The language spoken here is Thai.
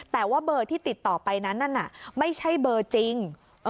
แต่ว่าเบอร์ที่ติดต่อไปนั้นนั่นน่ะไม่ใช่เบอร์จริง